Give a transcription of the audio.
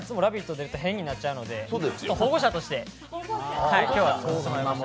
出ると変になっちゃうので保護者として、今日は来ました。